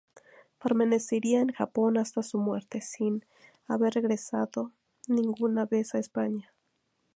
Permanecería en Japón hasta su muerte, sin haber regresado ninguna vez a España.